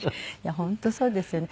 本当そうですよね。